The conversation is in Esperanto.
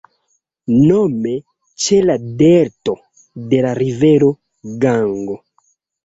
Nome ĉe la delto de la rivero Gango.